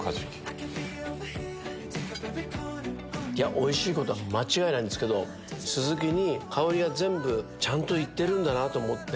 おいしいことは間違いないんですけどスズキに香りが全部ちゃんといってるんだなと思って。